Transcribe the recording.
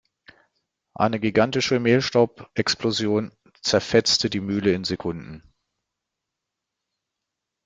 Eine gigantische Mehlstaubexplosion zerfetzte die Mühle in Sekunden.